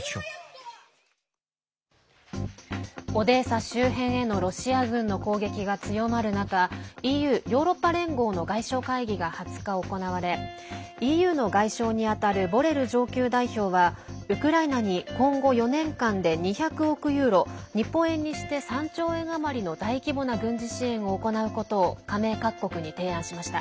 オデーサ周辺へのロシア軍の攻撃が強まる中ＥＵ＝ヨーロッパ連合の外相会議が２０日行われＥＵの外相にあたるボレル上級代表はウクライナに今後４年間で２００億ユーロ日本円にして３兆円余りの大規模な軍事支援を行うことを加盟各国に提案しました。